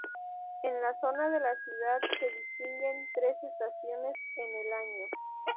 En la zona de la ciudad se distinguen tres estaciones en el año.